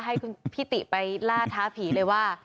ให้คุณพี่ติไปล่าท้าผีเลยว่า